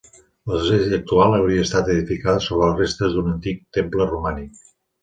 L'església actual hauria estat edificada sobre les restes d'un antic temple romànic.